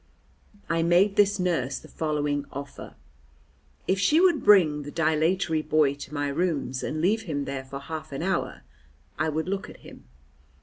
I made this nurse the following offer: If she would bring the dilatory boy to my rooms and leave him there for half an hour I would look at him.